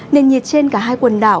nền nhiệt trên cả hai quần đảo